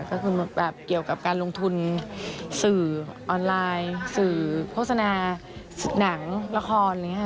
ก็คือแบบเกี่ยวกับการลงทุนสื่อออนไลน์สื่อโภสนาหนังละคร